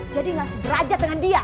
jadi gak segera aja dengan dia